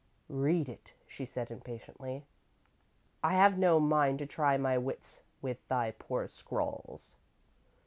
"Read it," she said, impatiently; "I have no mind to try my wits with thy poor scrawls."